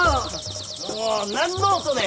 もう何の音ね？